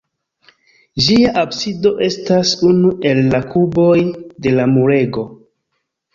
Ĝia absido estas unu el la kuboj de la murego.